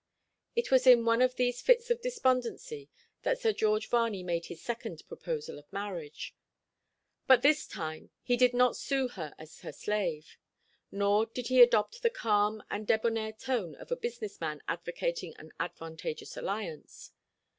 It was in one of these fits of despondency that Sir George Varney made his second proposal of marriage. But this time he did not sue as her slave, nor did he adopt the calm and débonnaire tone of a business man advocating an advantageous alliance.